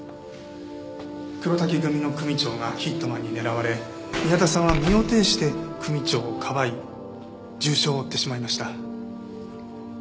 黒瀧組の組長がヒットマンに狙われ宮田さんは身を挺して組長をかばい重傷を負ってしまいました。